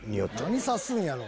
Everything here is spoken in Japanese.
何さすんやろ？